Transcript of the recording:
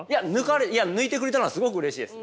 いや抜いてくれたのはすごくうれしいです。